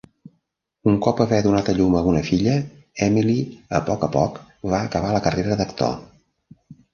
Un cop haver donat a llum a una filla, Emily, a poc a poc va acabar la carrera d'actor.